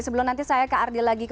sebelum nanti saya ke ardi lagi